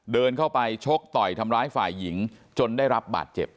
เดินเข้าไปชกต่อยทำร้ายฝ่ายหญิงจนได้รับบาดเจ็บ